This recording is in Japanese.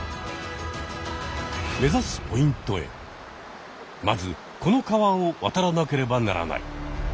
目ざすポイントへまずこの川をわたらなければならない。